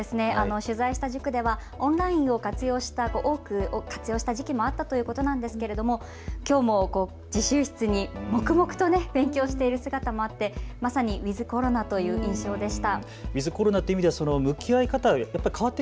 取材した塾ではオンラインを活用した時期もあったということなんですけどもきょうも自習室で黙々と勉強している姿もあってまさにウィズコロナという印象でした。